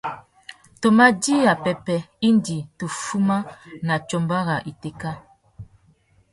Tu ma djï wapwêpwê indi tu fuma na tsumba râ itéka.